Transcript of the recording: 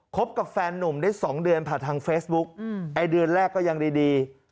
กับแฟนนุ่มได้๒เดือนผ่านทางเฟซบุ๊กไอ้เดือนแรกก็ยังดี